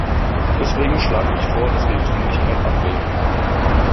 Deswegen schlage ich vor, dass wir die Dringlichkeit ablehnen.